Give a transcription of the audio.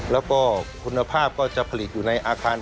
แล้วก็คุณภาพก็จะผลิตอยู่ในอาคาร